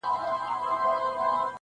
دا دنيا به مالامال وي له بدلارو -